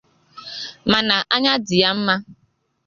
mana anya dị ya mma